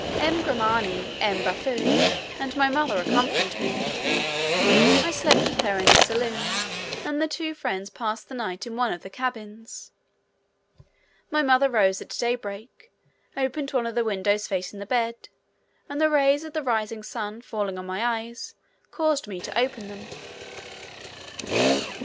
M. Grimani, M. Baffo, and my mother accompanied me. I slept with her in the saloon, and the two friends passed the night in one of the cabins. My mother rose at day break, opened one of the windows facing the bed, and the rays of the rising sun, falling on my eyes, caused me to open them.